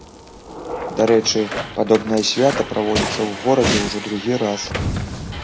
Дарэчы, падобнае свята праводзіцца ў горадзе ўжо другі раз.